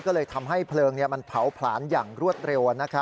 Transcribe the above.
ก็เลยทำให้เพลิงมันเผาผลาญอย่างรวดเร็ว